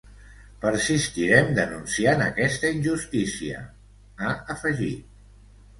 Persistirem denunciant aquesta injustícia, ha afegit.